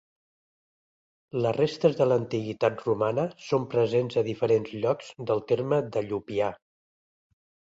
Les restes de l'antiguitat romana són presents a diferents llocs del terme de Llupià.